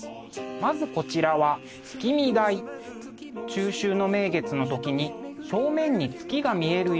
まずこちらは中秋の名月の時に正面に月が見えるよう造られています。